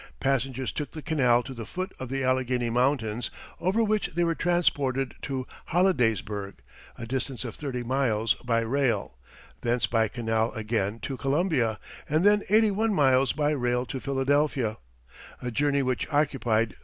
Passengers took the canal to the foot of the Allegheny Mountains, over which they were transported to Hollidaysburg, a distance of thirty miles by rail; thence by canal again to Columbia, and then eighty one miles by rail to Philadelphia a journey which occupied three days.